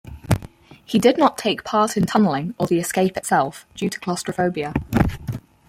He did not take part in tunnelling or the escape itself, due to claustrophobia.